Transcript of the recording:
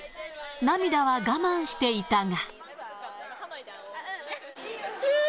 涙は我慢していたが。